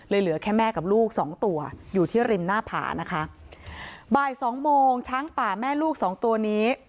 เหลือแค่แม่กับลูกสองตัวอยู่ที่ริมหน้าผานะคะบ่ายสองโมงช้างป่าแม่ลูกสองตัวนี้